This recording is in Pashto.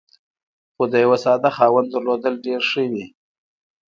خو د یوه ساده خاوند درلودل ډېر ښه وي.